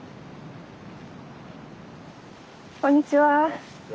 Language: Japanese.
こんにちは。